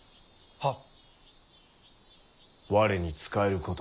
はっ。